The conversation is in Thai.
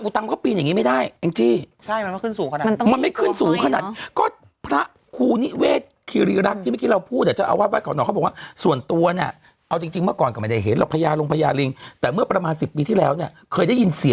แต่ของเรามันไม่มีลิงประมาณนี้